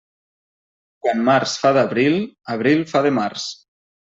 Quan març fa d'abril, abril fa de març.